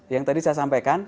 yang tadi saya sampaikan